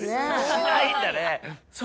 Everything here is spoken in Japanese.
しないんだね。